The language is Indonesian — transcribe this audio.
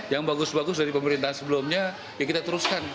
yang bagus bagus dari pemerintahan sebelumnya ya kita teruskan